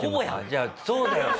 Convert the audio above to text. じゃあそうだよ。